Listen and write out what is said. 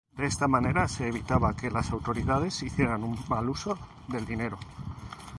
De esta manera se evitaba que las autoridades hicieran un mal uso del dinero.